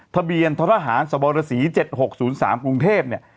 ทะเบียนทรหารสบรสี๗๖๐๓กรุงเทพเนี่ย